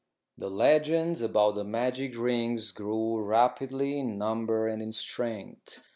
The legends about the magic rings grew rapidly in number and in strength.